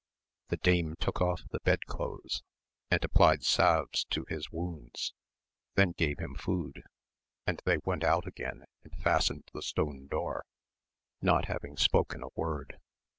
The dame took off the bed cloaths, and applied salves to his wounds, then gave him food, and they went out again and fastened the stone door, not having spoken a word.